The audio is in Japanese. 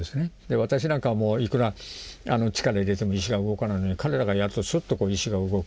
私なんかはもういくら力入れても石が動かないのに彼らがやるとスッと石が動くという。